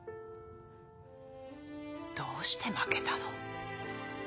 どうして負けたの？